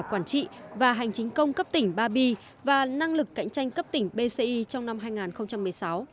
quản trị và hành chính công cấp tỉnh ba b và năng lực cạnh tranh cấp tỉnh bci trong năm hai nghìn một mươi sáu